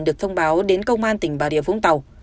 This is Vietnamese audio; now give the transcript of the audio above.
được thông báo đến công an tỉnh bà rịa vũng tàu